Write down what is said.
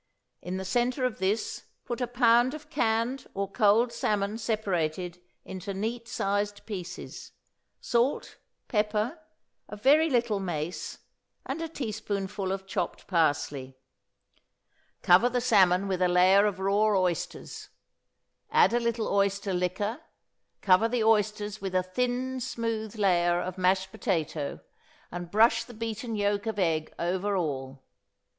In the centre of this put a pound of canned or cold salmon separated into neat sized pieces, salt, pepper, a very little mace, and a teaspoonful of chopped parsley; cover the salmon with a layer of raw oysters; add a little oyster liquor, cover the oysters with a thin smooth layer of mashed potato, and brush the beaten yolk of egg over all.